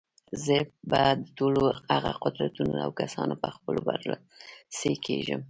زه به د ټولو هغو قدرتونو او کسانو په خپلولو برلاسي کېږم.